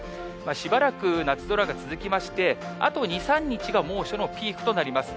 しばらく夏空が続きまして、あと２、３日が、猛暑のピークとなります。